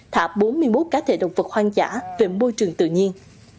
thả bốn mươi một cá thể động vật hoang dã về môi trường tự nhiên